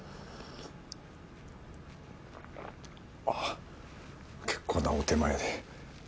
あっ結構なお手前で。